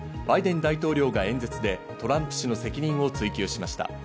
バイデン大統領が演説でトランプ氏の責任を追及しました。